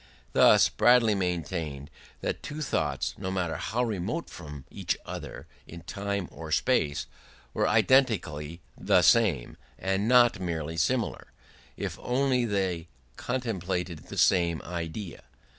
Thus Bradley maintained that two thoughts, no matter how remote from each other in time or space, were identically the same, and not merely similar, if only they contemplated the same idea.